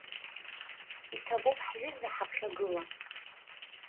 Иҭабуп, ҳҩыза, ҳаԥхьагыла.